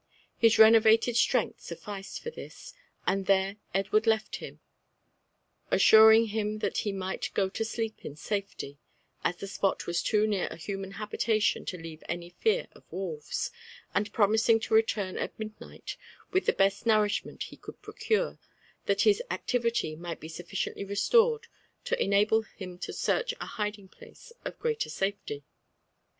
His renovated strength sufficed for this, and there Edward left him, assur ing him that he might go to sleep in safety, as the spot was too near a human habitation to leave any fear of wolves, and promising to return at midnight with the best nourishment he could procure, that his ac tivity might be sufficiently restored to enable him to search a hiding place of greater safety.